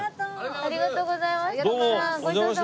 ありがとうございます徳さん。